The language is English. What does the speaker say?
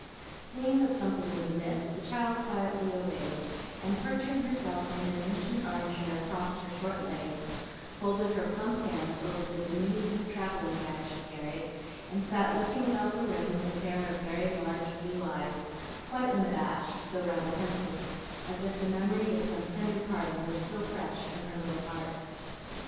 Seeing that something was amiss, the child quietly obeyed, and perching herself in an ancient arm chair crossed her short legs, folded her plump hands over the diminutive travelling bag she carried, and sat looking about the room with a pair of very large blue eyes, quite unabashed, though rather pensive, as if the memory of some tender parting were still fresh in her little heart.